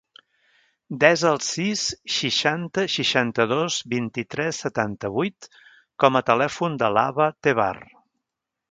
Desa el sis, seixanta, seixanta-dos, vint-i-tres, setanta-vuit com a telèfon de l'Abba Tevar.